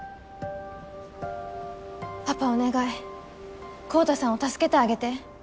パパお願い昂太さんを助けてあげて。